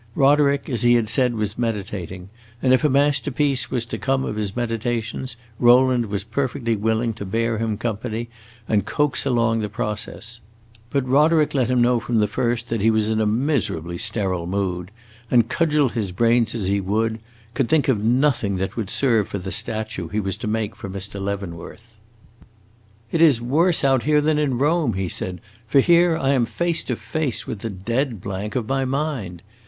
Roderick, as he had said, was meditating, and if a masterpiece was to come of his meditations, Rowland was perfectly willing to bear him company and coax along the process. But Roderick let him know from the first that he was in a miserably sterile mood, and, cudgel his brains as he would, could think of nothing that would serve for the statue he was to make for Mr. Leavenworth. "It is worse out here than in Rome," he said, "for here I am face to face with the dead blank of my mind!